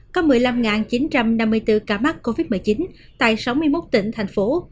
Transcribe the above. có một mươi năm chín trăm năm mươi bốn ca mắc covid một mươi chín tại sáu mươi một tỉnh thành phố